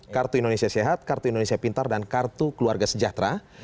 kartu indonesia sehat kartu indonesia pintar dan kartu keluarga sejahtera